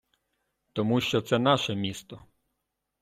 Тому що це наше місто.